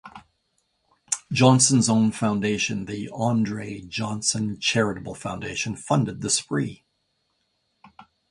Johnson's own foundation, the Andre Johnson Charitable Foundation, funded the spree.